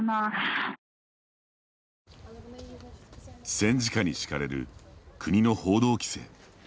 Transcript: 戦時下に敷かれる国の報道規制。